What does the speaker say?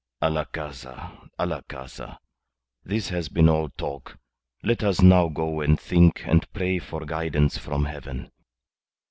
"A la Casa! A la Casa! This has been all talk. Let us now go and think and pray for guidance from Heaven."